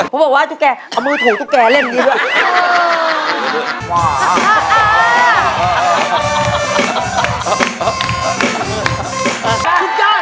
เขาบอกว่าตุ๊กแกเอามือถูกตุ๊กแกเล่มนี้ด้วย